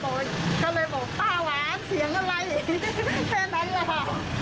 ก็เลยบอกป้าหวานเสียงอะไรแค่นั้นแหละค่ะ